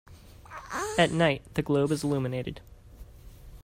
At night, the globe is illuminated.